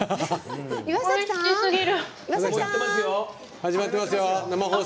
始まってますよ生放送！